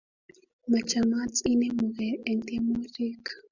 Machamat inemugee eng tyemutik